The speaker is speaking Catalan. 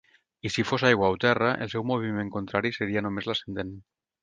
I si fos aigua o terra, el seu moviment contrari seria només l'ascendent.